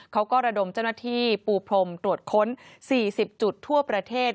ระดมเจ้าหน้าที่ปูพรมตรวจค้น๔๐จุดทั่วประเทศ